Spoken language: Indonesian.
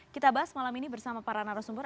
kita bahas malam ini bersama para narasumber